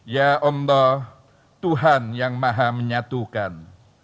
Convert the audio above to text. ya allah tuhan yang maha menyatukan